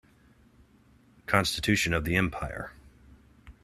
Constitution of the empire.